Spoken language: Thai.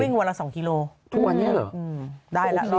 วิ่งวันละ๒กิโลกรัม